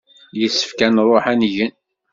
Yessefk ad nṛuḥ ad ngen.